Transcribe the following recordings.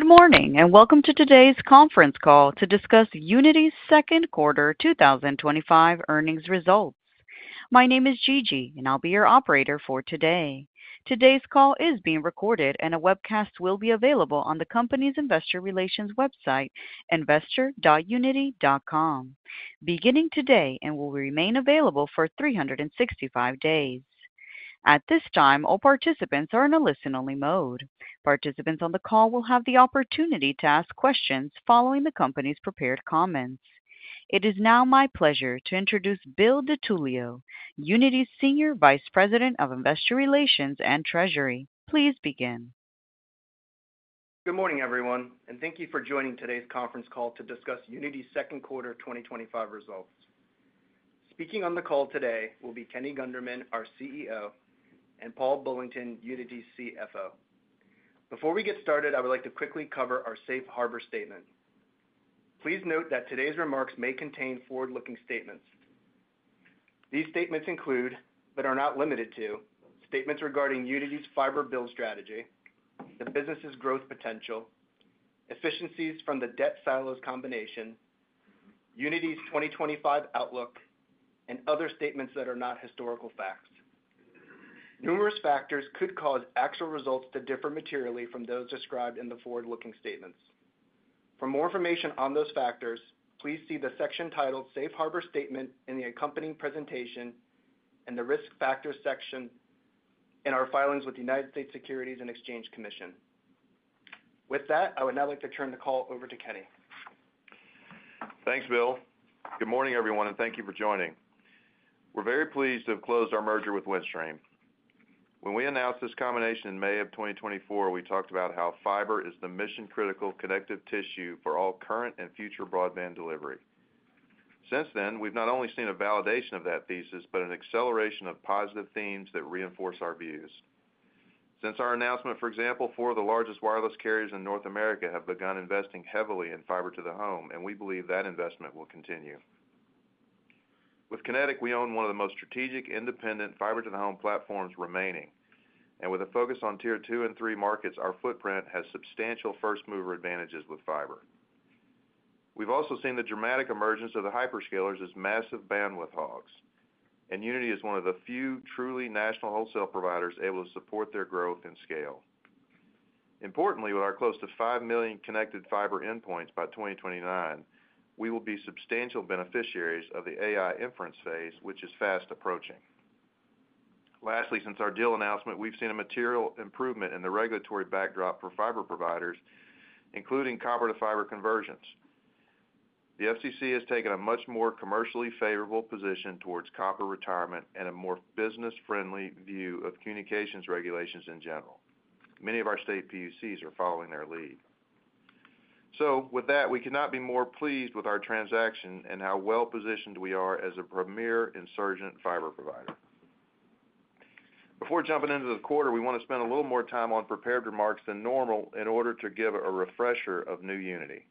Good morning and welcome to today's conference call to discuss Uniti's second quarter 2025 earnings results. My name is Gigi, and I'll be your operator for today. Today's call is being recorded, and a webcast will be available on the company's investor relations website, investor.uniti.com, beginning today and will remain available for 365 days. At this time, all participants are in a listen-only mode. Participants on the call will have the opportunity to ask questions following the company's prepared comments. It is now my pleasure to introduce Bill DiTullio, Uniti's Senior Vice President of Investor Relations and Treasury. Please begin. Good morning, everyone, and thank you for joining today's conference call to discuss Uniti's second quarter 2025 results. Speaking on the call today will be Kenny Gunderman, our CEO, and Paul Bullington, Uniti's CFO. Before we get started, I would like to quickly cover our safe harbor statement. Please note that today's remarks may contain forward-looking statements. These statements include, but are not limited to, statements regarding Uniti's fiber build strategy, the business's growth potential, efficiencies from the debt silos combination, Uniti's 2025 outlook, and other statements that are not historical facts. Numerous factors could cause actual results to differ materially from those described in the forward-looking statements. For more information on those factors, please see the section titled Safe Harbor Statement in the accompanying presentation and the Risk Factors section in our filings with the U.S. Securities and Exchange Commission. With that, I would now like to turn the call over to Kenny. Thanks, Bill. Good morning, everyone, and thank you for joining. We're very pleased to have closed our merger with Windstream. When we announced this combination in May of 2024, we talked about how fiber is the mission-critical connective tissue for all current and future broadband delivery. Since then, we've not only seen a validation of that thesis, but an acceleration of positive themes that reinforce our views. Since our announcement, for example, four of the largest wireless carriers in North America have begun investing heavily in fiber-to-the-home, and we believe that investment will continue. With Kinetic, we own one of the most strategic, independent fiber-to-the-home platforms remaining. With a focus on tier two and three markets, our footprint has substantial first-mover advantages with fiber. We've also seen the dramatic emergence of the hyperscalers as massive bandwidth hogs, and Uniti is one of the few truly national wholesale providers able to support their growth and scale. Importantly, with our close to 5 million connected fiber endpoints by 2029, we will be substantial beneficiaries of the AI inference phase, which is fast approaching. Lastly, since our deal announcement, we've seen a material improvement in the regulatory backdrop for fiber providers, including copper-to-fiber conversions. The FCC has taken a much more commercially favorable position towards copper retirement and a more business-friendly view of communications regulations in general. Many of our state PUCs are following their lead. We cannot be more pleased with our transaction and how well-positioned we are as a premier insurgent fiber provider. Before jumping into the quarter, we want to spend a little more time on prepared remarks than normal in order to give a refresher of new Uniti.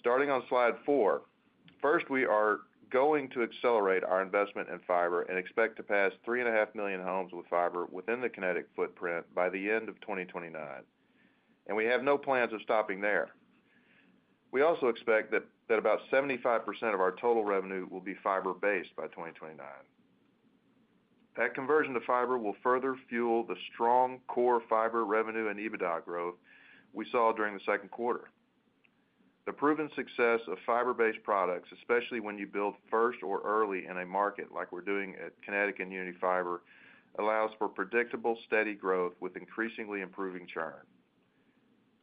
Starting on slide four, first, we are going to accelerate our investment in fiber and expect to pass 3.5 million homes with fiber within the Kinetic footprint by the end of 2029. We have no plans of stopping there. We also expect that about 75% of our total revenue will be fiber-based by 2029. That conversion to fiber will further fuel the strong core fiber revenue and EBITDA growth we saw during the second quarter. The proven success of fiber-based products, especially when you build first or early in a market like we're doing at Kinetic and Uniti Fiber, allows for predictable, steady growth with increasingly improving churn.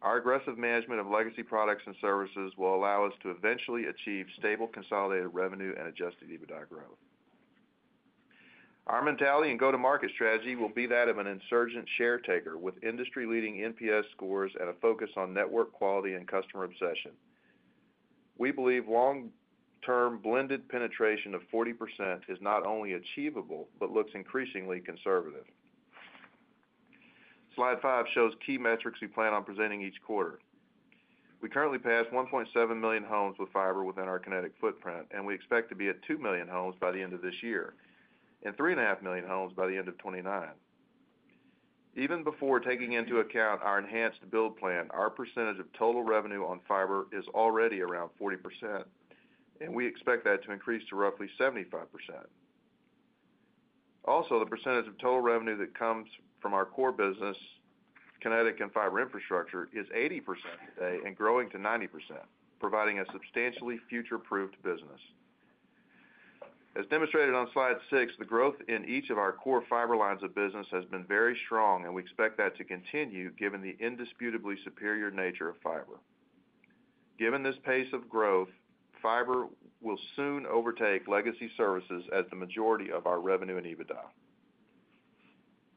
Our aggressive management of legacy products and services will allow us to eventually achieve stable consolidated revenue and adjusted EBITDA growth. Our mentality and go-to-market strategy will be that of an insurgent share taker with industry-leading NPS scores and a focus on network quality and customer obsession. We believe long-term blended penetration of 40% is not only achievable but looks increasingly conservative. Slide five shows key metrics we plan on presenting each quarter. We currently pass 1.7 million homes with fiber within our Kinetic footprint, and we expect to be at 2 million homes by the end of this year and 3.5 million homes by the end of 2029. Even before taking into account our enhanced build plan, our percentage of total revenue on fiber is already around 40%, and we expect that to increase to roughly 75%. Also, the percentage of total revenue that comes from our core business, Kinetic and fiber infrastructure, is 80% today and growing to 90%, providing a substantially future-proofed business. As demonstrated on slide six, the growth in each of our core fiber lines of business has been very strong, and we expect that to continue given the indisputably superior nature of fiber. Given this pace of growth, fiber will soon overtake legacy services at the majority of our revenue and EBITDA.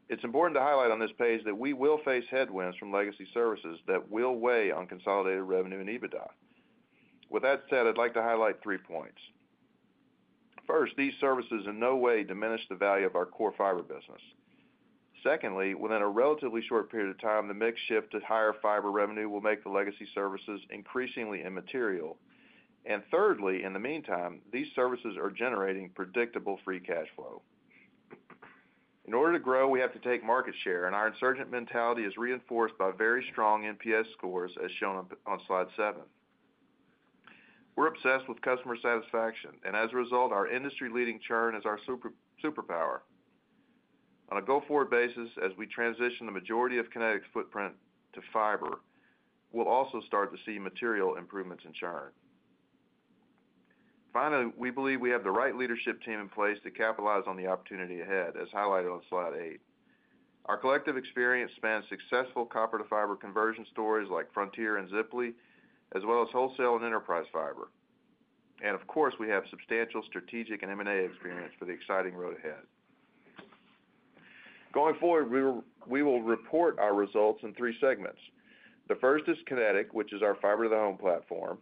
It's important to highlight on this page that we will face headwinds from legacy services that will weigh on consolidated revenue and EBITDA. With that said, I'd like to highlight three points. First, these services in no way diminish the value of our core fiber business. Secondly, within a relatively short period of time, the mix shift to higher fiber revenue will make the legacy services increasingly immaterial. Thirdly, in the meantime, these services are generating predictable free cash flow. In order to grow, we have to take market share, and our insurgent mentality is reinforced by very strong NPS scores as shown on slide seven. We're obsessed with customer satisfaction, and as a result, our industry-leading churn is our superpower. On a go-forward basis, as we transition the majority of Kinetic's footprint to fiber, we'll also start to see material improvements in churn. Finally, we believe we have the right leadership team in place to capitalize on the opportunity ahead, as highlighted on slide eight. Our collective experience spans successful copper-to-fiber conversion stories like Frontier and Ziply, as well as wholesale and enterprise fiber. Of course, we have substantial strategic and M&A experience for the exciting road ahead. Going forward, we will report our results in three segments. The first is Kinetic, which is our fiber-to-the-home platform.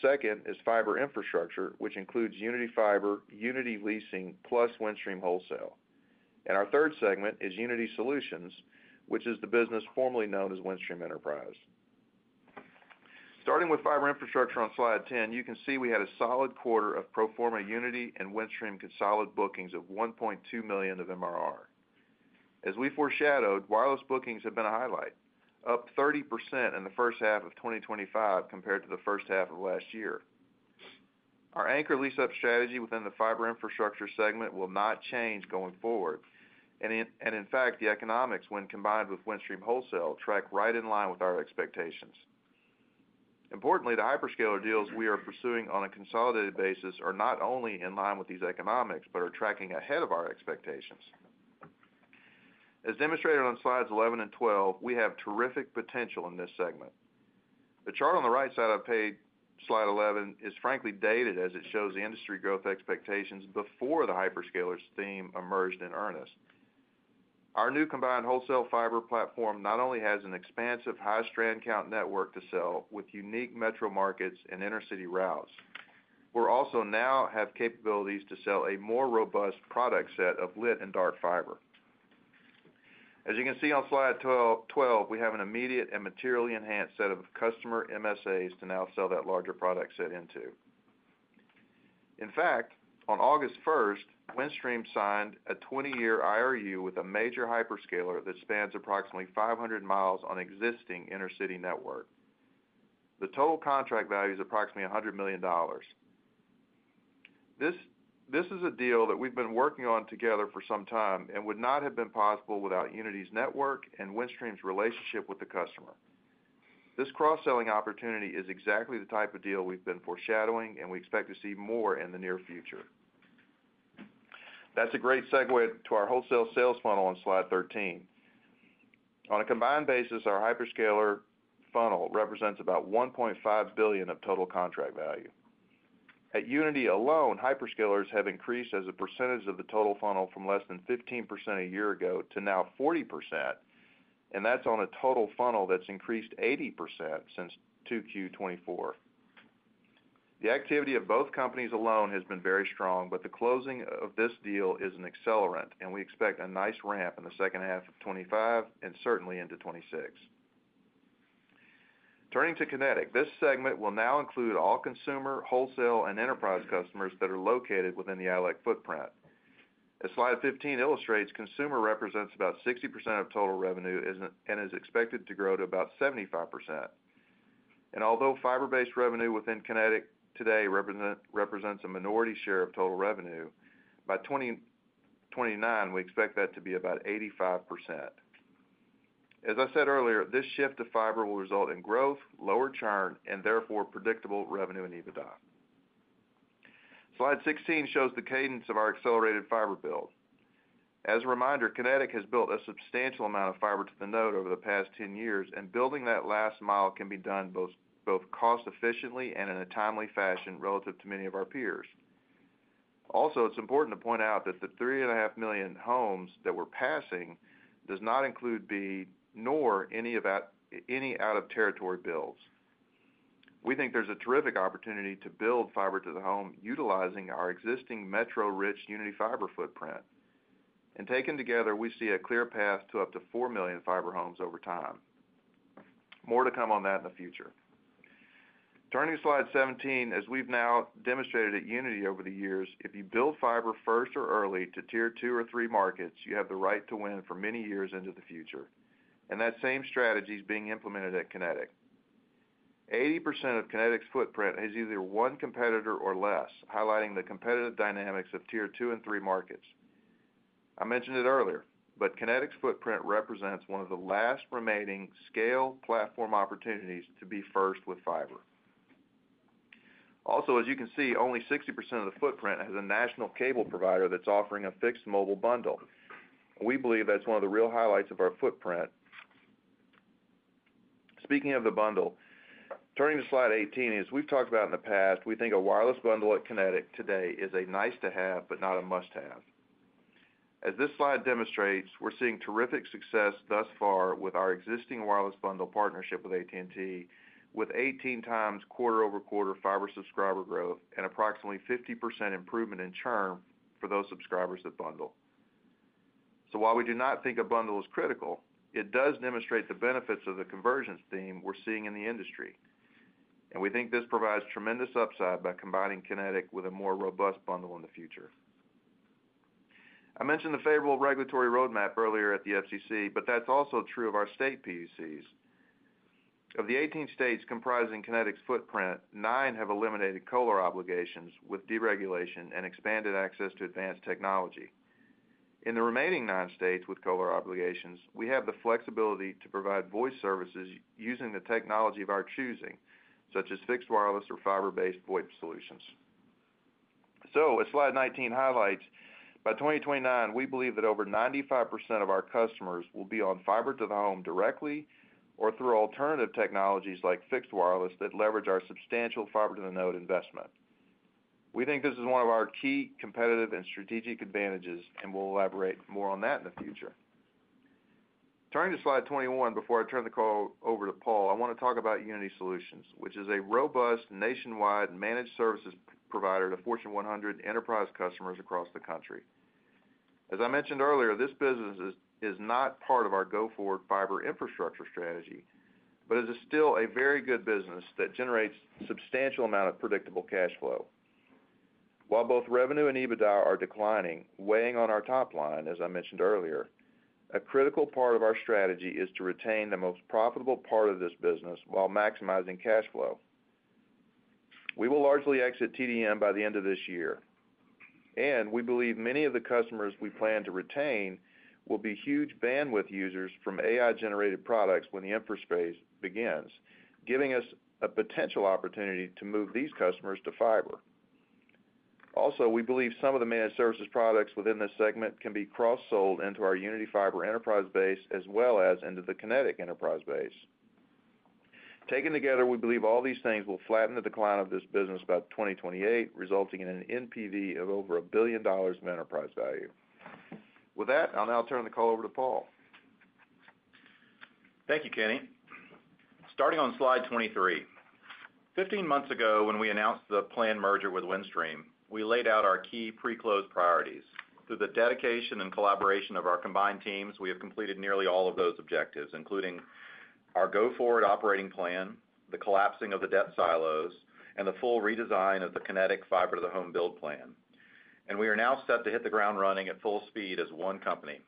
Second is fiber infrastructure, which includes Uniti Fiber, Uniti Leasing, plus Windstream Wholesale. Our third segment is Uniti Solutions, which is the business formerly known as Windstream Enterprise. Starting with fiber infrastructure on slide 10, you can see we had a solid quarter of pro forma Uniti and Windstream consolidated bookings of $1.2 million of monthly recurring revenue. As we foreshadowed, wireless bookings have been a highlight, up 30% in the first half of 2025 compared to the first half of last year. Our anchor lease-up strategy within the fiber infrastructure segment will not change going forward. In fact, the economics, when combined with Windstream Wholesale, track right in line with our expectations. Importantly, the hyperscaler deals we are pursuing on a consolidated basis are not only in line with these economics, but are tracking ahead of our expectations. As demonstrated on slides 11 and 12, we have terrific potential in this segment. The chart on the right side of the page, slide 11, is frankly dated as it shows the industry growth expectations before the hyperscalers' theme emerged in earnest. Our new combined wholesale fiber platform not only has an expansive high-strand count network to sell with unique metro markets and inner-city routes, we also now have capabilities to sell a more robust product set of lit and dark fiber. As you can see on slide 12, we have an immediate and materially enhanced set of customer MSAs to now sell that larger product set into. In fact, on August 1, Windstream signed a 20-year IRU with a major hyperscaler that spans approximately 500 miles on an existing inner-city network. The total contract value is approximately $100 million. This is a deal that we've been working on together for some time and would not have been possible without Uniti's network and Windstream's relationship with the customer. This cross-selling opportunity is exactly the type of deal we've been foreshadowing, and we expect to see more in the near future. That's a great segue to our wholesale sales funnel on slide 13. On a combined basis, our hyperscaler funnel represents about $1.5 billion of total contract value. At Uniti alone, hyperscalers have increased as a percentage of the total funnel from less than 15% a year ago to now 40%, and that's on a total funnel that's increased 80% since Q2 2024. The activity of both companies alone has been very strong, the closing of this deal is an accelerant, and we expect a nice ramp in the second half of 2025 and certainly into 2026. Turning to Kinetic, this segment will now include all consumer, wholesale, and enterprise customers that are located within the ILEC footprint. As slide 15 illustrates, consumer represents about 60% of total revenue and is expected to grow to about 75%. Although fiber-based revenue within Kinetic today represents a minority share of total revenue, by 2029, we expect that to be about 85%. As I said earlier, this shift to fiber will result in growth, lower churn, and therefore predictable revenue and EBITDA. Slide 16 shows the cadence of our accelerated fiber build. As a reminder, Kinetic has built a substantial amount of fiber to the node over the past 10 years, and building that last mile can be done both cost-efficiently and in a timely fashion relative to many of our peers. Also, it's important to point out that the 3.5 million homes that we're passing do not include B nor any out-of-territory builds. We think there's a terrific opportunity to build fiber-to-the-home utilizing our existing metro-rich Uniti Fiber footprint. Taken together, we see a clear path to up to 4 million fiber homes over time. More to come on that in the future. Turning to slide 17, as we've now demonstrated at Uniti over the years, if you build fiber first or early to tier two or three markets, you have the right to win for many years into the future. That same strategy is being implemented at Kinetic. 80% of Kinetic's footprint has either one competitor or less, highlighting the competitive dynamics of tier two and three markets. I mentioned it earlier, Kinetic's footprint represents one of the last remaining scale platform opportunities to be first with fiber. Also, as you can see, only 60% of the footprint has a national cable provider that's offering a fixed mobile bundle. We believe that's one of the real highlights of our footprint. Speaking of the bundle, turning to slide 18, as we've talked about in the past, we think a wireless bundle at Kinetic today is a nice-to-have but not a must-have. As this slide demonstrates, we're seeing terrific success thus far with our existing wireless bundle partnership with AT&T, with 18 times quarter-over-quarter fiber subscriber growth and approximately 50% improvement in churn for those subscribers that bundle. While we do not think a bundle is critical, it does demonstrate the benefits of the conversions theme we're seeing in the industry. We think this provides tremendous upside by combining Kinetic with a more robust bundle in the future. I mentioned the favorable regulatory roadmap earlier at the FCC, but that's also true of our state PUCs. Of the 18 states comprising Kinetic's footprint, nine have eliminated COLR obligations with deregulation and expanded access to advanced technology. In the remaining nine states with COLR obligations, we have the flexibility to provide voice services using the technology of our choosing, such as fixed wireless or fiber-based VoIP solutions. As slide 19 highlights, by 2029, we believe that over 95% of our customers will be on fiber-to-the-home directly or through alternative technologies like fixed wireless that leverage our substantial fiber-to-the-node investment. We think this is one of our key competitive and strategic advantages, and we'll elaborate more on that in the future. Turning to slide 21, before I turn the call over to Paul, I want to talk about Uniti Solutions, which is a robust nationwide managed services provider to Fortune 100 enterprise customers across the country. As I mentioned earlier, this business is not part of our go-forward fiber infrastructure strategy, but it is still a very good business that generates a substantial amount of predictable cash flow. While both revenue and EBITDA are declining, weighing on our top line, as I mentioned earlier, a critical part of our strategy is to retain the most profitable part of this business while maximizing cash flow. We will largely exit TDM by the end of this year. We believe many of the customers we plan to retain will be huge bandwidth users from AI-generated products when the infraspace begins, giving us a potential opportunity to move these customers to fiber. Also, we believe some of the managed services products within this segment can be cross-sold into our Uniti Fiber enterprise base, as well as into the Kinetic enterprise base. Taken together, we believe all these things will flatten the decline of this business by 2028, resulting in an NPV of over $1 billion in enterprise value. With that, I'll now turn the call over to Paul. Thank you, Kenny. Starting on slide 23. Fifteen months ago, when we announced the planned merger with Windstream, we laid out our key pre-closed priorities. Through the dedication and collaboration of our combined teams, we have completed nearly all of those objectives, including our go-forward operating plan, the collapsing of the debt silos, and the full redesign of the Kinetic fiber-to-the-home build plan. We are now set to hit the ground running at full speed as one company.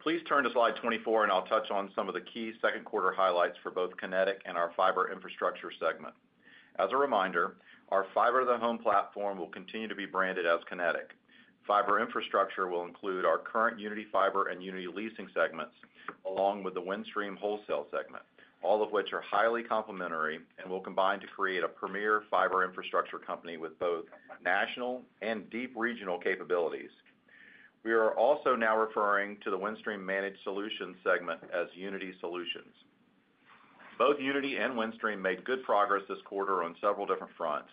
Please turn to slide 24, and I'll touch on some of the key second quarter highlights for both Kinetic and our fiber infrastructure segment. As a reminder, our fiber-to-the-home platform will continue to be branded as Kinetic. Fiber infrastructure will include our current Uniti Fiber and Uniti Leasing segments, along with the Windstream Wholesale segment, all of which are highly complementary and will combine to create a premier fiber infrastructure company with both national and deep regional capabilities. We are also now referring to the Windstream Managed Solutions segment as Uniti Solutions. Both Uniti and Windstream made good progress this quarter on several different fronts.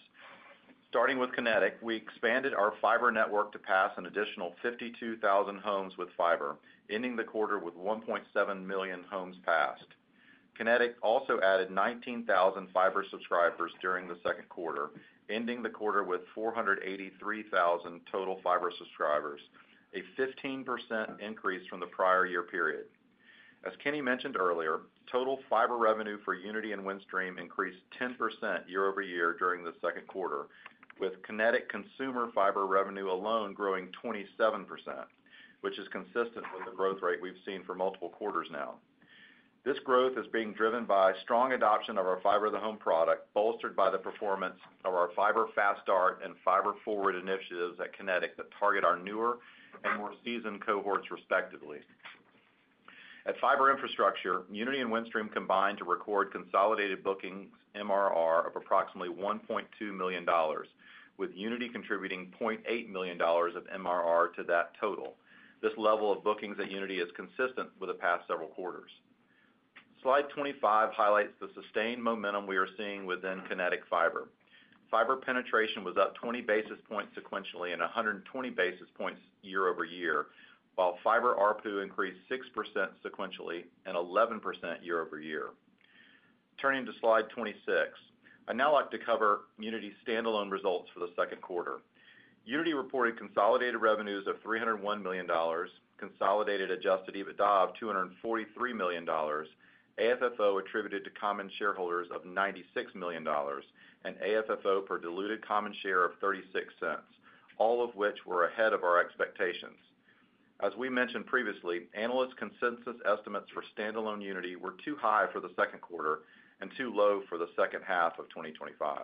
Starting with Kinetic, we expanded our fiber network to pass an additional 52,000 homes with fiber, ending the quarter with 1.7 million homes passed. Kinetic also added 19,000 fiber subscribers during the second quarter, ending the quarter with 483,000 total fiber subscribers, a 15% increase from the prior year period. As Kenny mentioned earlier, total fiber revenue for Uniti and Windstream increased 10% year-over-year during the second quarter, with Kinetic consumer fiber revenue alone growing 27%, which is consistent with the growth rate we've seen for multiple quarters now. This growth is being driven by strong adoption of our fiber-to-the-home product, bolstered by the performance of our Fiber Fast Start and Fiber Forward initiatives at Kinetic that target our newer and more seasoned cohorts, respectively. At fiber infrastructure, Uniti and Windstream combined to record consolidated bookings MRR of approximately $1.2 million, with Uniti contributing $0.8 million of MRR to that total. This level of bookings at Uniti is consistent with the past several quarters. Slide 25 highlights the sustained momentum we are seeing within Kinetic fiber. Fiber penetration was up 20 basis points sequentially and 120 basis points year-over-year, while fiber ARPU increased 6% sequentially and 11% year-over-year. Turning to slide 26, I'd now like to cover Uniti's standalone results for the second quarter. Uniti reported consolidated revenues of $301 million, consolidated adjusted EBITDA of $243 million, AFFO attributed to common shareholders of $96 million, and AFFO per diluted common share of $0.36, all of which were ahead of our expectations. As we mentioned previously, analysts' consensus estimates for standalone Uniti were too high for the second quarter and too low for the second half of 2025.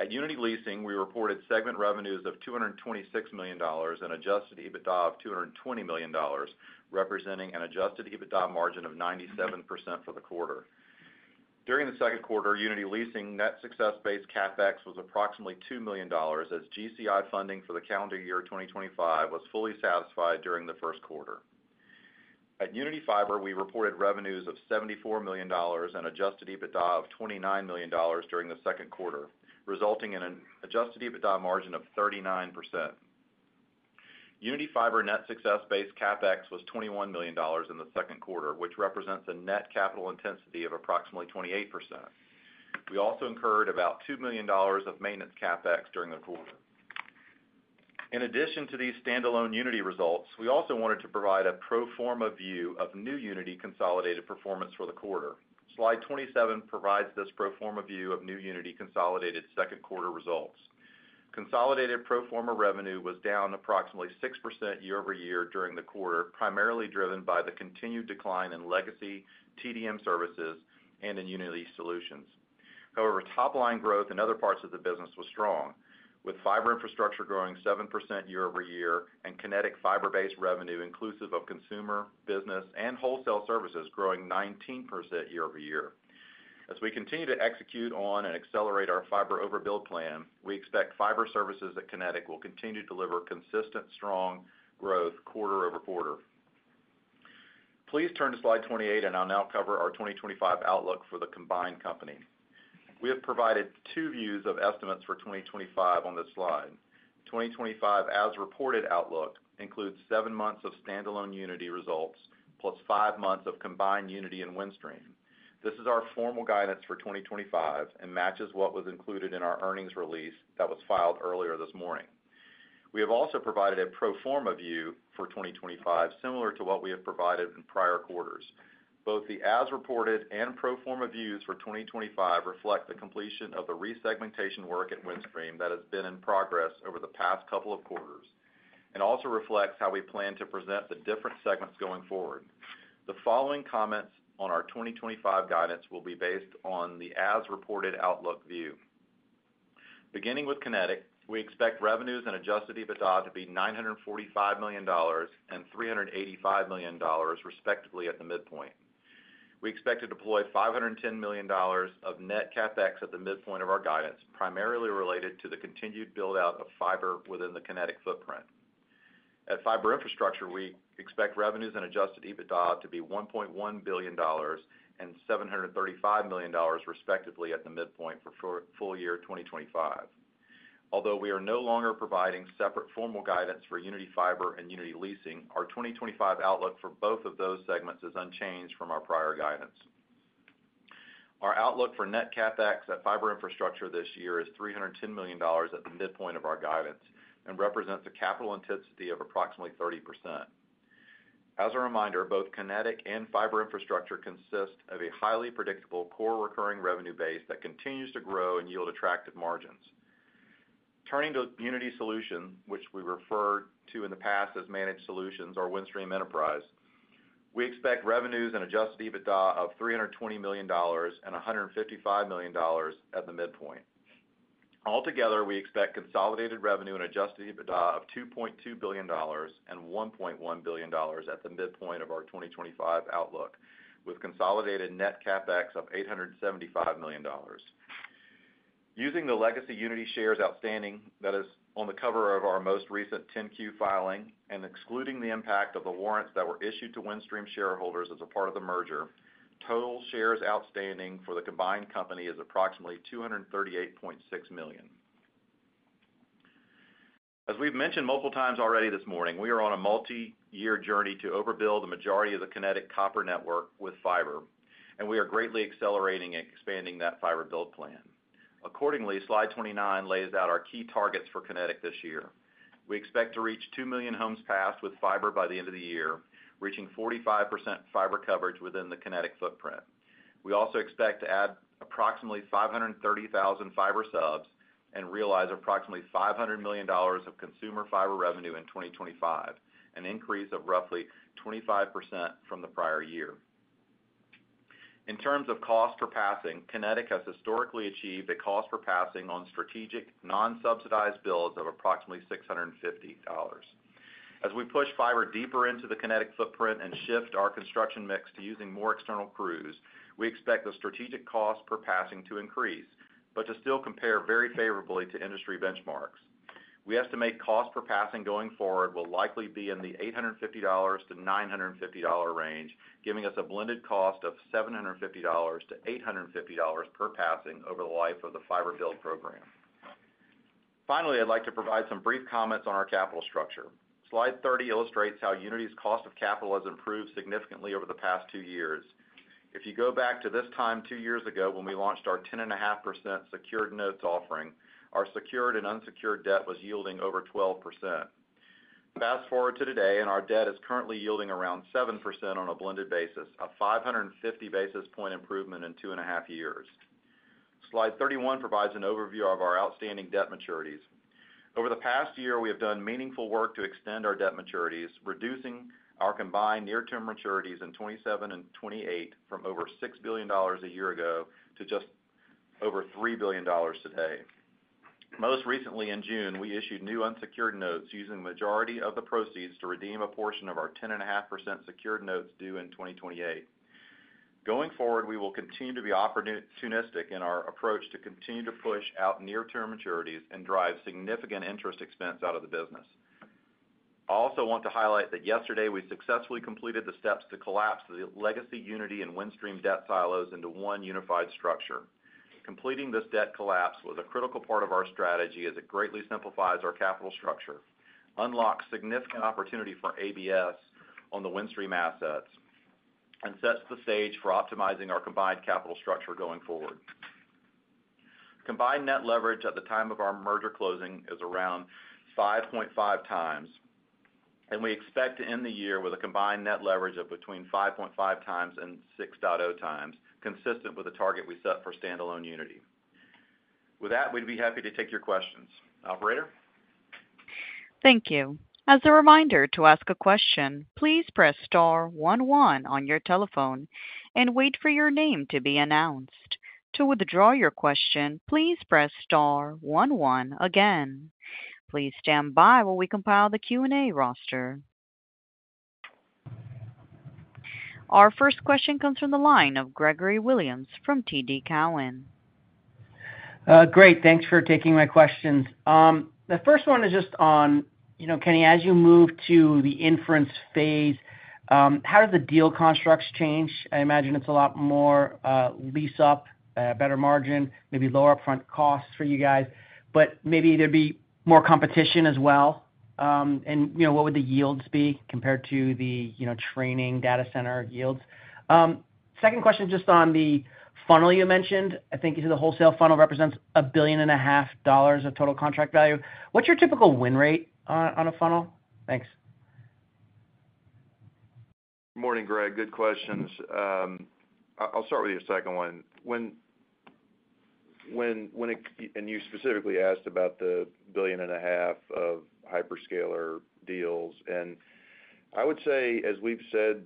At Uniti Leasing, we reported segment revenues of $226 million and adjusted EBITDA of $220 million, representing an adjusted EBITDA margin of 97% for the quarter. During the second quarter, Uniti Leasing net success-based CapEx was approximately $2 million, as GCI funding for the calendar year 2025 was fully satisfied during the first quarter. At Uniti Fiber, we reported revenues of $74 million and adjusted EBITDA of $29 million during the second quarter, resulting in an adjusted EBITDA margin of 39%. Uniti Fiber net success-based CapEx was $21 million in the second quarter, which represents a net capital intensity of approximately 28%. We also incurred about $2 million of maintenance CapEx during the quarter. In addition to these standalone Uniti results, we also wanted to provide a pro forma view of new Uniti consolidated performance for the quarter. Slide 27 provides this pro forma view of new Uniti consolidated second quarter results. Consolidated pro forma revenue was down approximately 6% year-over-year during the quarter, primarily driven by the continued decline in legacy TDM services and in Uniti Solutions. However, top line growth in other parts of the business was strong, with fiber infrastructure growing 7% year-over-year and Kinetic fiber-based revenue inclusive of consumer, business, and wholesale services growing 19% year-over-year. As we continue to execute on and accelerate our fiber overbuild plan, we expect fiber services at Kinetic will continue to deliver consistent strong growth quarter over quarter. Please turn to slide 28, and I'll now cover our 2025 outlook for the combined company. We have provided two views of estimates for 2025 on this slide. 2025 as reported outlook includes seven months of standalone Uniti results, plus five months of combined Uniti and Windstream. This is our formal guidance for 2025 and matches what was included in our earnings release that was filed earlier this morning. We have also provided a pro forma view for 2025, similar to what we have provided in prior quarters. Both the as reported and pro forma views for 2025 reflect the completion of the re-segmentation work at Windstream that has been in progress over the past couple of quarters and also reflects how we plan to present the different segments going forward. The following comments on our 2025 guidance will be based on the as reported outlook view. Beginning with Kinetic, we expect revenues and adjusted EBITDA to be $945 million and $385 million, respectively, at the midpoint. We expect to deploy $510 million of net CAPEX at the midpoint of our guidance, primarily related to the continued build-out of fiber within the Kinetic footprint. At fiber infrastructure, we expect revenues and adjusted EBITDA to be $1.1 billion and $735 million, respectively, at the midpoint for full year 2025. Although we are no longer providing separate formal guidance for Uniti Fiber and Uniti Leasing, our 2025 outlook for both of those segments is unchanged from our prior guidance. Our outlook for net CAPEX at fiber infrastructure this year is $310 million at the midpoint of our guidance and represents a capital intensity of approximately 30%. As a reminder, both Kinetic and fiber infrastructure consist of a highly predictable core recurring revenue base that continues to grow and yield attractive margins. Turning to Uniti Solutions, which we referred to in the past as Managed Solutions or Windstream Enterprise, we expect revenues and adjusted EBITDA of $320 million and $155 million at the midpoint. Altogether, we expect consolidated revenue and adjusted EBITDA of $2.2 billion and $1.1 billion at the midpoint of our 2025 outlook, with consolidated net CAPEX of $875 million. Using the legacy Uniti shares outstanding that is on the cover of our most recent 10-Q filing and excluding the impact of the warrants that were issued to Windstream shareholders as a part of the merger, total shares outstanding for the combined company is approximately 238.6 million. As we've mentioned multiple times already this morning, we are on a multi-year journey to overbuild the majority of the Kinetic copper network with fiber, and we are greatly accelerating and expanding that fiber build plan. Accordingly, slide 29 lays out our key targets for Kinetic this year. We expect to reach 2 million homes passed with fiber by the end of the year, reaching 45% fiber coverage within the Kinetic footprint. We also expect to add approximately 530,000 fiber subs and realize approximately $500 million of consumer fiber revenue in 2025, an increase of roughly 25% from the prior year. In terms of cost per passing, Kinetic has historically achieved a cost per passing on strategic non-subsidized builds of approximately $650. As we push fiber deeper into the Kinetic footprint and shift our construction mix to using more external crews, we expect the strategic cost per passing to increase, but to still compare very favorably to industry benchmarks. We estimate cost per passing going forward will likely be in the $850-$950 range, giving us a blended cost of $750-$850 per passing over the life of the fiber build program. Finally, I'd like to provide some brief comments on our capital structure. Slide 30 illustrates how Uniti's cost of capital has improved significantly over the past two years. If you go back to this time two years ago when we launched our 10.5% secured notes offering, our secured and unsecured debt was yielding over 12%. Fast forward to today, and our debt is currently yielding around 7% on a blended basis, a 550 basis point improvement in two and a half years. Slide 31 provides an overview of our outstanding debt maturities. Over the past year, we have done meaningful work to extend our debt maturities, reducing our combined near-term maturities in 2027 and 2028 from over $6 billion a year ago to just over $3 billion today. Most recently, in June, we issued new unsecured notes using the majority of the proceeds to redeem a portion of our 10.5% secured notes due in 2028. Going forward, we will continue to be opportunistic in our approach to continue to push out near-term maturities and drive significant interest expense out of the business. I also want to highlight that yesterday we successfully completed the steps to collapse the Legacy Uniti and Windstream debt silos into one unified structure. Completing this debt collapse was a critical part of our strategy as it greatly simplifies our capital structure, unlocks significant opportunity for ABS on the Windstream assets, and sets the stage for optimizing our combined capital structure going forward. Combined net leverage at the time of our merger closing is around 5.5x, and we expect to end the year with a combined net leverage of between 5.5x and 6.0x, consistent with the target we set for standalone Uniti. With that, we'd be happy to take your questions. Operator? Thank you. As a reminder, to ask a question, please press star one one on your telephone and wait for your name to be announced. To withdraw your question, please press star one one again. Please stand by while we compile the Q&A roster. Our first question comes from the line of Gregory Williams from TD Cowen. Great, thanks for taking my questions. The first one is just on, you know, Kenny, as you move to the inference phase, how do the deal constructs change? I imagine it's a lot more lease-up, better margin, maybe lower upfront costs for you guys, but maybe there'd be more competition as well. What would the yields be compared to the, you know, training data center yields? Second question is just on the funnel you mentioned. I think you said the wholesale funnel represents $1.5 billion of total contract value. What's your typical win rate on a funnel? Thanks. Morning, Greg. Good questions. I'll start with your second one. You specifically asked about the $1.5 billion of hyperscaler deals, and I would say, as we've said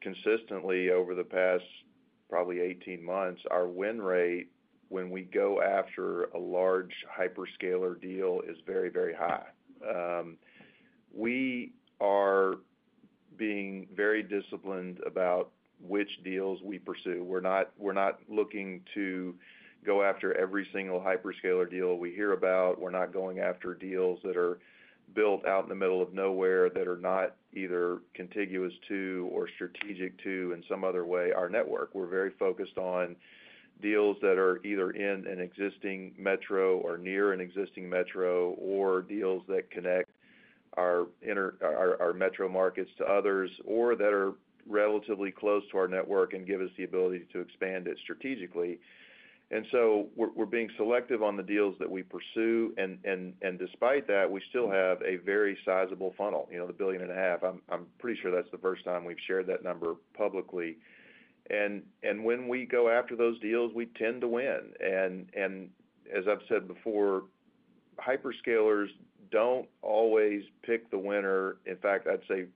consistently over the past probably 18 months, our win rate when we go after a large hyperscaler deal is very, very high. We are being very disciplined about which deals we pursue. We're not looking to go after every single hyperscaler deal we hear about. We're not going after deals that are built out in the middle of nowhere that are not either contiguous to or strategic to, in some other way, our network. We're very focused on deals that are either in an existing metro or near an existing metro, or deals that connect our inner or our metro markets to others, or that are relatively close to our network and give us the ability to expand it strategically. We're being selective on the deals that we pursue, and despite that, we still have a very sizable funnel, you know, the $1.5 billion. I'm pretty sure that's the first time we've shared that number publicly. When we go after those deals, we tend to win. As I've said before, hyperscalers don't always pick the winner. In fact, I'd say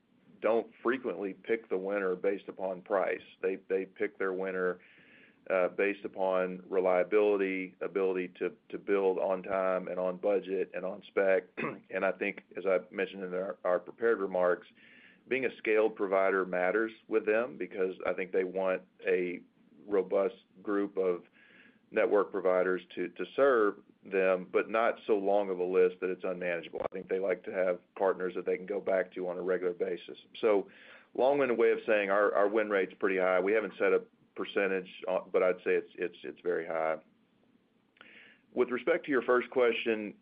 don't frequently pick the winner based upon price. They pick their winner based upon reliability, ability to build on time and on budget and on spec. I think, as I mentioned in our prepared remarks, being a scaled provider matters with them because I think they want a robust group of network providers to serve them, but not so long of a list that it's unmanageable. I think they like to have partners that they can go back to on a regular basis. Long in a way of saying our win rate's pretty high. We haven't set a percentage, but I'd say it's very high. With respect to your first question,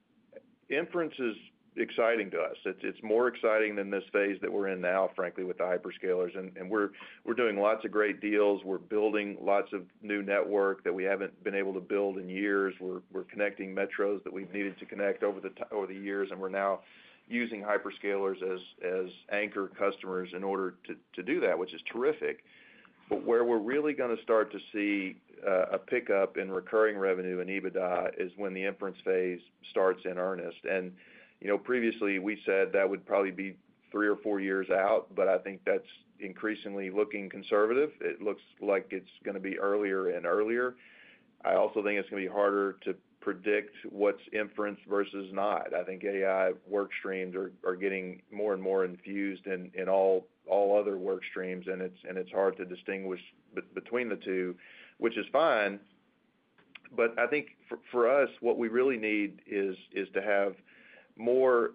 inference is exciting to us. It's more exciting than this phase that we're in now, frankly, with the hyperscalers. We're doing lots of great deals. We're building lots of new network that we haven't been able to build in years. We're connecting metros that we've needed to connect over the years, and we're now using hyperscalers as anchor customers in order to do that, which is terrific. Where we're really going to start to see a pickup in recurring revenue and EBITDA is when the inference phase starts in earnest. Previously we said that would probably be three or four years out, but I think that's increasingly looking conservative. It looks like it's going to be earlier and earlier. I also think it's going to be harder to predict what's inference versus not. I think AI workstreams are getting more and more infused in all other workstreams, and it's hard to distinguish between the two, which is fine. I think for us, what we really need is to have more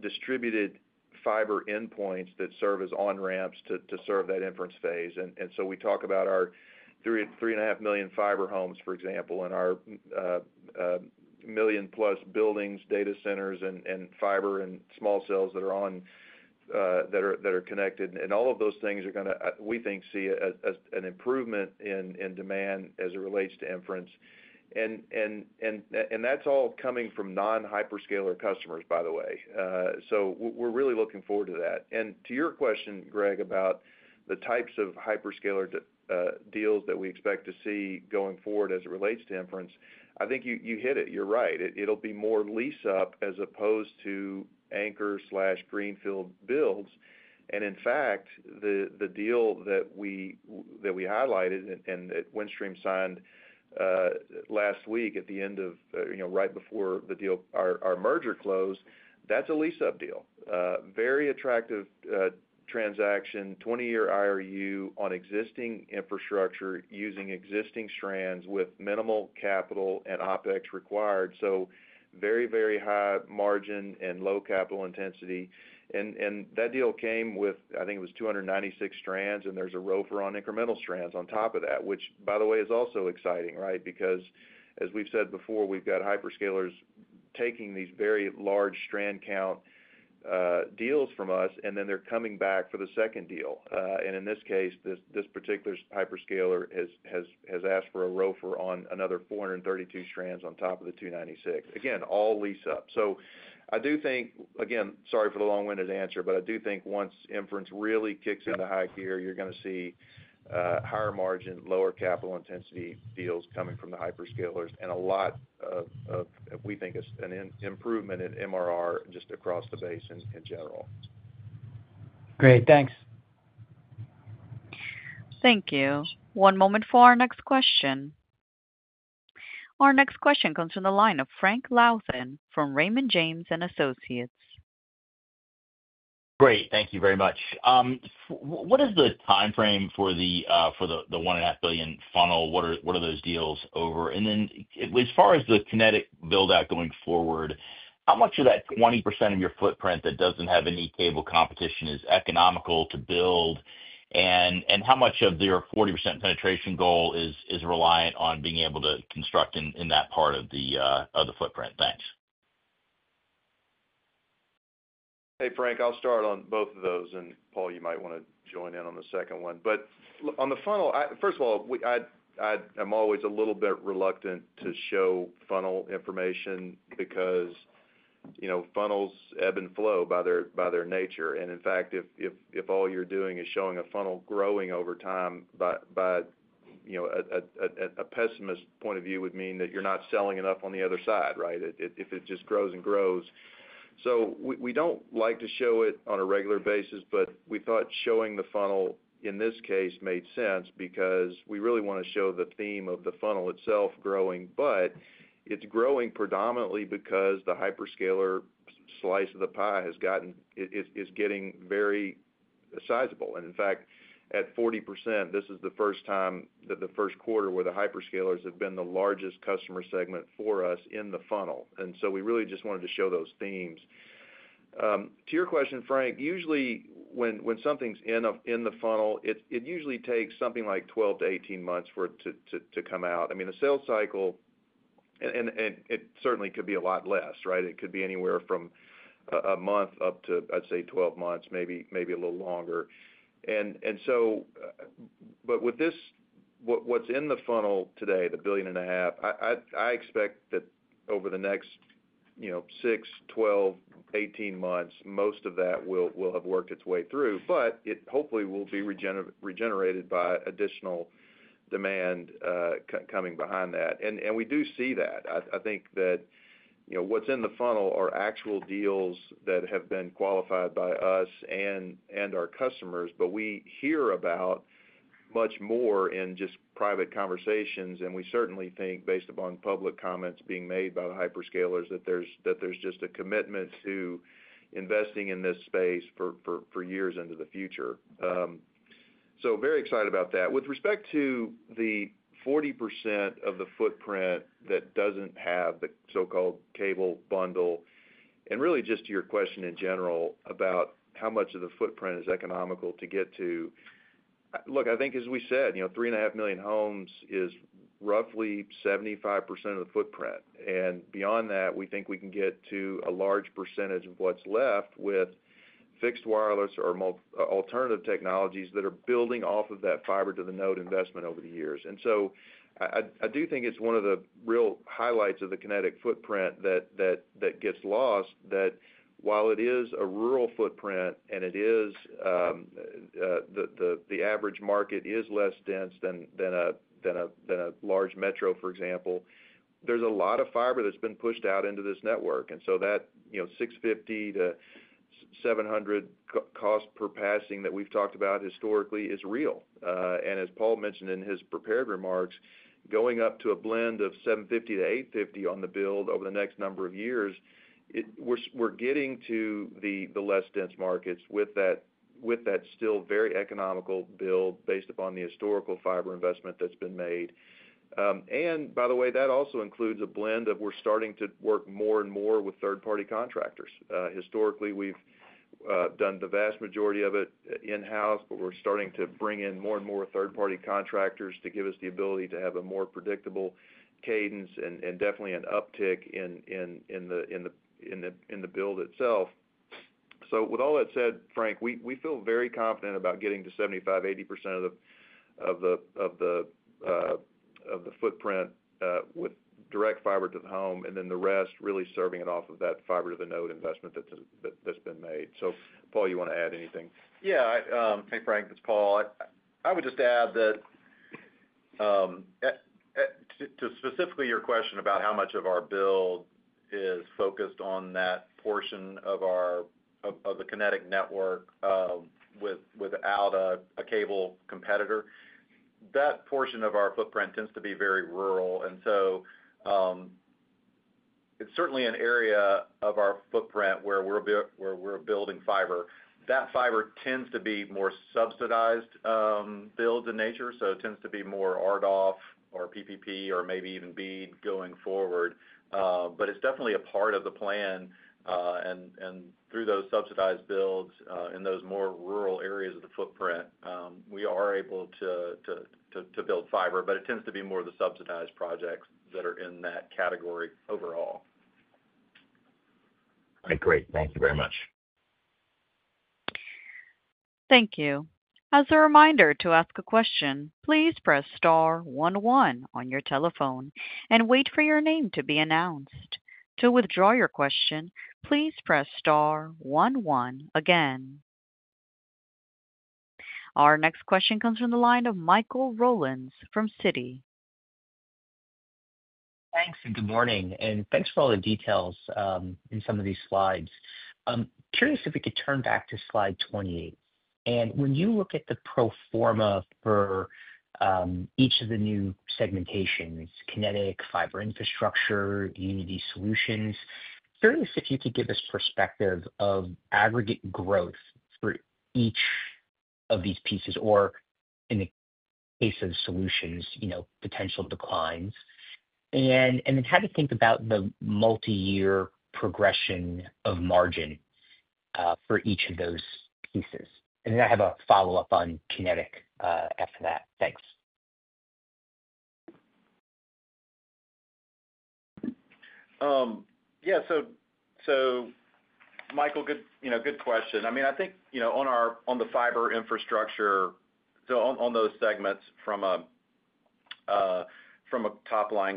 distributed fiber endpoints that serve as on-ramps to serve that inference phase. We talk about our three and a half million fiber homes, for example, and our million plus buildings, data centers, and fiber and small cells that are connected. All of those things are going to, we think, see an improvement in demand as it relates to inference. That's all coming from non-hyperscaler customers, by the way. We're really looking forward to that. To your question, Greg, about the types of hyperscaler deals that we expect to see going forward as it relates to inference, I think you hit it. You're right. It'll be more lease-up as opposed to anchor slash greenfield builds. In fact, the deal that we highlighted and that Windstream signed last week right before the merger closed, that's a lease-up deal. Very attractive transaction, 20-year IRU on existing infrastructure using existing strands with minimal capital and OpEx required. Very, very high margin and low capital intensity. That deal came with, I think it was 296 strands, and there's a Roper on incremental strands on top of that, which, by the way, is also exciting, right? As we've said before, we've got hyperscalers taking these very large strand count deals from us, and then they're coming back for the second deal. In this case, this particular hyperscaler has asked for a Roper on another 432 strands on top of the 296. Again, all lease-up. I do think, again, sorry for the long-winded answer, but I do think once inference really kicks into high gear, you're going to see higher margin, lower capital intensity deals coming from the hyperscalers and a lot of, we think, an improvement in MRR just across the basin in general. Great, thanks. Thank you. One moment for our next question. Our next question comes from the line of Frank Louthan from Raymond James and Associates. Great, thank you very much. What is the timeframe for the $1.5 billion funnel? What are those deals over? As far as the Kinetic build-out going forward, how much of that 20% of your footprint that doesn't have any cable competition is economical to build? How much of their 40% penetration goal is reliant on being able to construct in that part of the footprint? Thanks. Hey Frank, I'll start on both of those, and Paul, you might want to join in on the second one. On the funnel, first of all, I'm always a little bit reluctant to show funnel information because funnels ebb and flow by their nature. In fact, if all you're doing is showing a funnel growing over time, by a pessimist point of view, that would mean you're not selling enough on the other side, right? If it just grows and grows. We don't like to show it on a regular basis, but we thought showing the funnel in this case made sense because we really want to show the theme of the funnel itself growing, but it's growing predominantly because the hyperscaler slice of the pie is getting very sizable. In fact, at 40%, this is the first time that the first quarter where the hyperscalers have been the largest customer segment for us in the funnel. We really just wanted to show those themes. To your question, Frank, usually when something's in the funnel, it usually takes something like 12 to 18 months for it to come out. I mean, a sales cycle, and it certainly could be a lot less, right? It could be anywhere from a month up to, I'd say, 12 months, maybe a little longer. With this, what's in the funnel today, the $1.5 billion, I expect that over the next 6, 12, 18 months, most of that will have worked its way through, but it hopefully will be regenerated by additional demand coming behind that. We do see that. I think that what's in the funnel are actual deals that have been qualified by us and our customers, but we hear about much more in just private conversations. We certainly think, based upon public comments being made by the hyperscalers, that there's just a commitment to investing in this space for years into the future. Very excited about that. With respect to the 40% of the footprint that doesn't have the so-called cable bundle, and really just to your question in general about how much of the footprint is economical to get to, I think, as we said, three and a half million homes is roughly 75% of the footprint. Beyond that, we think we can get to a large percentage of what's left with fixed wireless or alternative technologies that are building off of that fiber-to-the-node investment over the years. I do think it's one of the real highlights of the Kinetic footprint that gets lost, that while it is a rural footprint and it is, the average market is less dense than a large metro, for example, there's a lot of fiber that's been pushed out into this network. That $650-$700 cost per passing that we've talked about historically is real. As Paul mentioned in his prepared remarks, going up to a blend of $750-$850 on the build over the next number of years, we're getting to the less dense markets with that still very economical build based upon the historical fiber investment that's been made. By the way, that also includes a blend of we're starting to work more and more with third-party contractors. Historically, we've done the vast majority of it in-house, but we're starting to bring in more and more third-party contractors to give us the ability to have a more predictable cadence and definitely an uptick in the build itself. With all that said, Frank, we feel very confident about getting to 75%-80% of the footprint with direct fiber-to-the-home, and the rest really serving it off of that fiber-to-the-node investment that's been made. Paul, you want to add anything? Yeah, hey Frank, it's Paul. I would just add that to specifically your question about how much of our build is focused on that portion of the Kinetic network without a cable competitor, that portion of our footprint tends to be very rural. It's certainly an area of our footprint where we're building fiber. That fiber tends to be more subsidized builds in nature, so it tends to be more RDoF or PPP or maybe even BEED going forward. It's definitely a part of the plan. Through those subsidized builds in those more rural areas of the footprint, we are able to build fiber, but it tends to be more of the subsidized projects that are in that category overall. I agree. Thank you very much. Thank you. As a reminder, to ask a question, please press star 11 on your telephone and wait for your name to be announced. To withdraw your question, please press star 11 again. Our next question comes from the line of Michael Rollins from Citi. Thanks, and good morning, and thanks for all the details in some of these slides. I'm curious if we could turn back to slide 28. When you look at the pro forma for each of the new segmentations, Kinetic, fiber infrastructure, Uniti Solutions, curious if you could give us perspective of aggregate growth for each of these pieces, or in the case of solutions, you know, potential declines. How to think about the multi-year progression of margin for each of those pieces. I have a follow-up on Kinetic after that. Thanks. Yeah, so, Michael, good question. I mean, I think, on the fiber infrastructure, on those segments from a top-line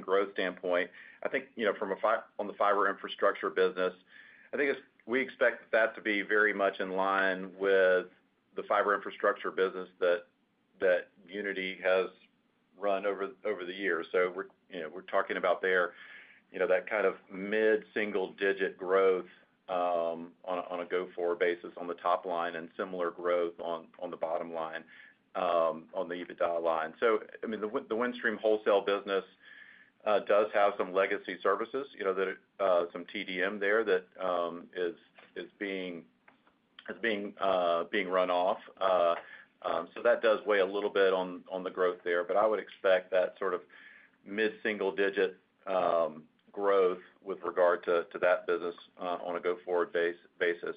growth standpoint, I think, from the fiber infrastructure business, we expect that to be very much in line with the fiber infrastructure business that Uniti has run over the years. We're talking about that kind of mid-single-digit growth on a go-forward basis on the top line and similar growth on the bottom line, on the EBITDA line. The Windstream wholesale business does have some legacy services, some TDM there that is being run off. That does weigh a little bit on the growth there, but I would expect that sort of mid-single-digit growth with regard to that business on a go-forward basis.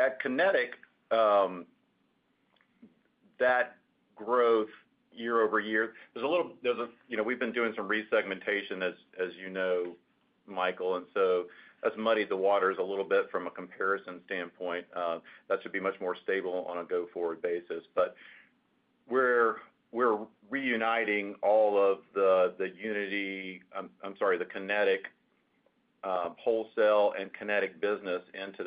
At Kinetic, that growth year-over-year, we've been doing some resegmentation, as you know, Michael, and that has muddied the waters a little bit from a comparison standpoint. That should be much more stable on a go-forward basis. We're reuniting all of the Kinetic Wholesale and Kinetic business into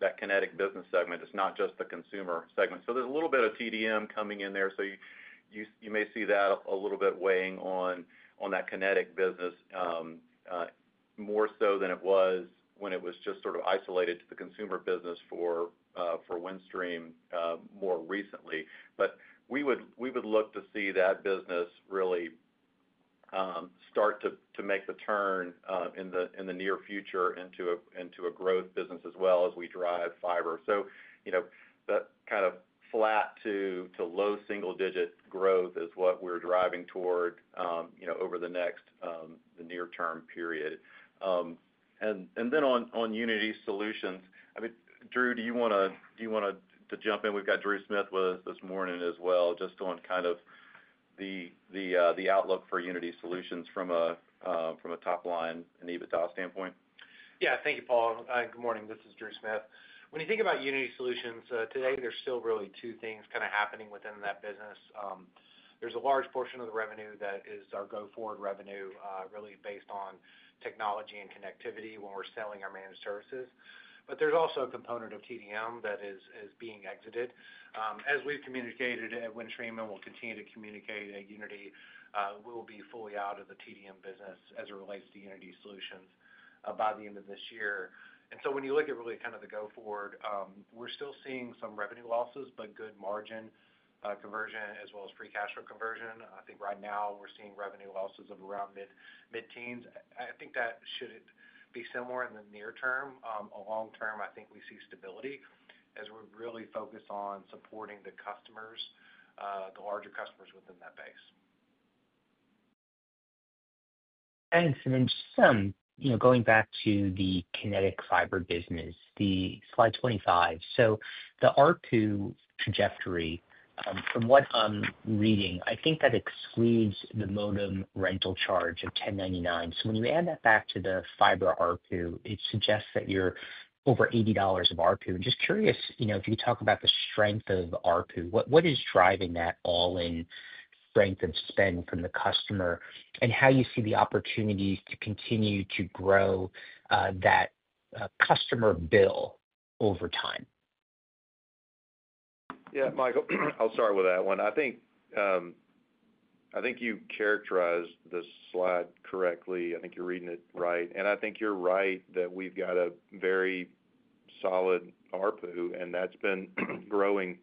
that Kinetic business segment. It's not just the consumer segment. There's a little bit of TDM coming in there, so you may see that a little bit weighing on that Kinetic business more so than it was when it was just isolated to the consumer business for Windstream more recently. We would look to see that business really start to make the turn in the near future into a growth business as well as we drive fiber. That kind of flat to low single-digit growth is what we're driving toward over the next near-term period. Then on Uniti Solutions, I mean, Drew, do you want to jump in? We've got Drew Smith with us this morning as well, just on the outlook for Uniti Solutions from a top-line and EBITDA standpoint. Yeah, thank you, Paul. Good morning. This is Drew Smith. When you think about Uniti Solutions today, there's still really two things kind of happening within that business. There's a large portion of the revenue that is our go-forward revenue, really based on technology and connectivity when we're selling our managed services. There's also a component of TDM that is being exited. As we've communicated at Windstream and will continue to communicate at Uniti, we'll be fully out of the TDM business as it relates to Uniti Solutions by the end of this year. When you look at really kind of the go-forward, we're still seeing some revenue losses, but good margin conversion as well as free cash flow conversion. I think right now we're seeing revenue losses of around mid-teens. I think that should be similar in the near term. Long term, I think we see stability as we're really focused on supporting the customers, the larger customers within that base. Thanks. Just, you know, going back to the Kinetic Fiber business, the slide 25. The ARPU trajectory, from what I'm reading, I think that excludes the modem rental charge of $10.99. When you add that back to the fiber ARPU, it suggests that you're over $80 of ARPU. I'm just curious, you know, if you could talk about the strength of ARPU. What is driving that all-in strength and spend from the customer and how you see the opportunities to continue to grow that customer bill over time? Yeah, Michael, I'll start with that one. I think you characterized the slide correctly. I think you're reading it right. I think you're right that we've got a very solid ARPU, and that's been growing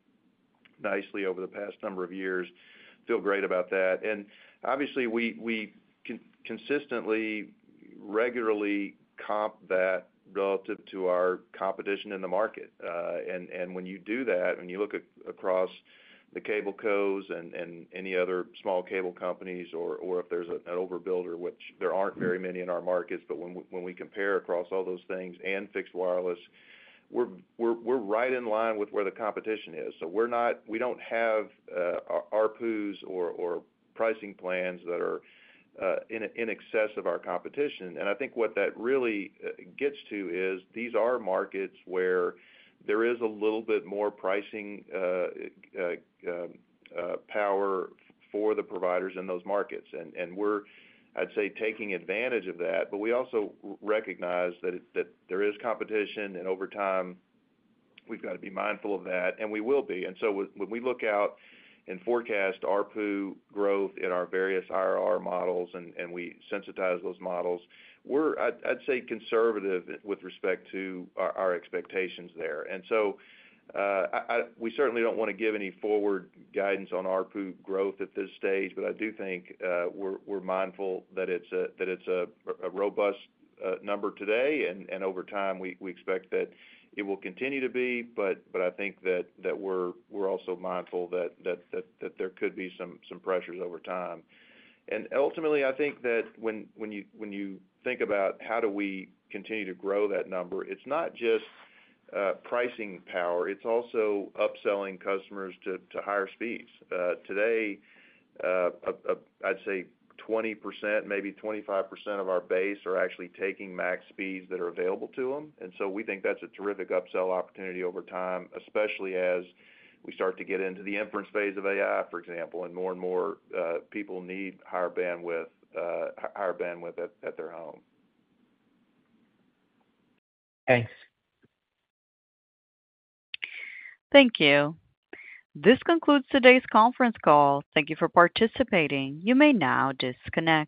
nicely over the past number of years. I feel great about that. Obviously, we consistently regularly comp that relative to our competition in the market. When you do that, when you look across the cable codes and any other small cable companies, or if there's an overbuilder, which there aren't very many in our markets, when we compare across all those things and fixed wireless, we're right in line with where the competition is. We're not, we don't have ARPUs or pricing plans that are in excess of our competition. I think what that really gets to is these are markets where there is a little bit more pricing power for the providers in those markets. We're, I'd say, taking advantage of that. We also recognize that there is competition, and over time, we've got to be mindful of that, and we will be. When we look out and forecast ARPU growth in our various IRR models and we sensitize those models, we're, I'd say, conservative with respect to our expectations there. We certainly don't want to give any forward guidance on ARPU growth at this stage, but I do think we're mindful that it's a robust number today, and over time, we expect that it will continue to be. I think that we're also mindful that there could be some pressures over time. Ultimately, I think that when you think about how do we continue to grow that number, it's not just pricing power. It's also upselling customers to higher speeds. Today, I'd say 20%, maybe 25% of our base are actually taking max speeds that are available to them. We think that's a terrific upsell opportunity over time, especially as we start to get into the inference phase of AI, for example, and more and more people need higher bandwidth at their home. Thanks. Thank you. This concludes today's conference call. Thank you for participating. You may now disconnect.